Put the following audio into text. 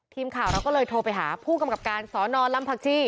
ทีมข่าวเราก็เลยโทรไปหาผู้กำกับการสอนอนลำผักชี